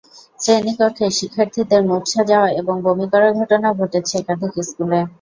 শ্রেণীকক্ষে শিক্ষার্থীদের মূর্ছা যাওয়া এবং বমি করার ঘটনাও ঘটেছে একাধিক স্কুলে।